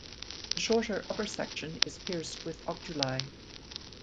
The shorter upper section is pierced with oculi.